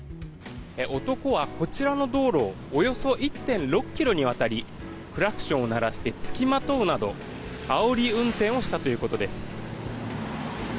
男はこちらの道路をおよそ１．６ｋｍにわたりクラクションを鳴らして付きまとうなどあおり運転をしたということです。